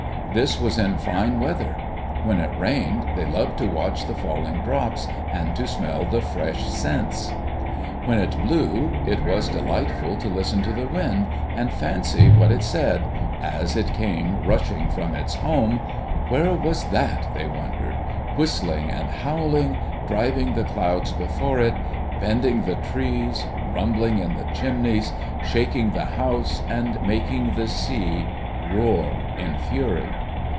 This was in fine weather. When it rained, they loved to watch the falling drops, and to smell the fresh scents. When it blew, it was delightful to listen to the wind, and fancy what it said, as it came rushing from its home — where was that, they wondered !— whistling and howling, driving the clouds before it, bending the trees, rumbling in the chimneys, shaking the house, and making the sea roar in fury.